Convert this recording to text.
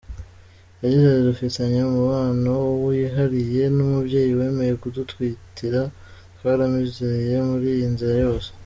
Yagize ati "Dufitanye umubano wihariye n’umubyeyi wemeye kudutwitira, twaramwizeye muri iyi nzira yose.